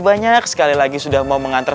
banyak sekali lagi sudah mau mengantar